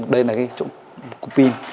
đây là cái cục pin